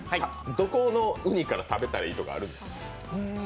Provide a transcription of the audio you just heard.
どこのうにから食べたらいいとかあるんですか？